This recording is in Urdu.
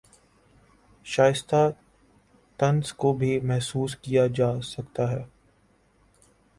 شائستہ طنز کو بھی محسوس کیا جاسکتا ہے